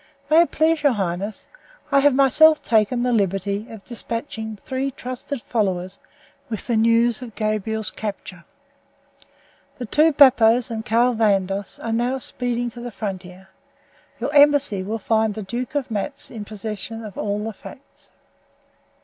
May it please your highness, I have myself taken the liberty of despatching three trusted followers with the news of Gabriel's capture. The two Bappos and Carl Vandos are now speeding to the frontier. Your embassy will find the Duke of Matz in possession of all the facts."